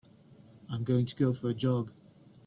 I'm going to go for a jog.